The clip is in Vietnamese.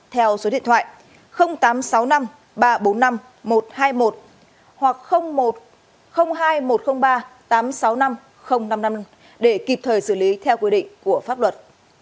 theo số điện thoại tám trăm sáu mươi năm ba trăm bốn mươi năm một trăm hai mươi một hoặc một trăm linh hai một trăm linh ba tám trăm sáu mươi năm năm trăm năm mươi năm để kịp thời xử lý theo quy định của pháp luật